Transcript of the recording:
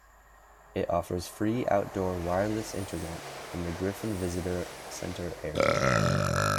It offers free outdoor wireless internet in the Griffin Visitor Center area.